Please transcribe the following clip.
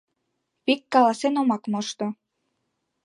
Вик каласен омак мошто.